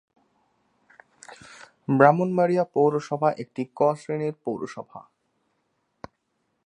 ব্রাহ্মণবাড়িয়া পৌরসভা একটি 'ক' শ্রেণীর পৌরসভা।